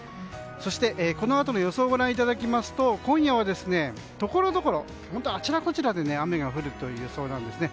そして、このあとの予想をご覧いただきますと今夜はところどころあちらこちらで雨が降るという予想なんですね。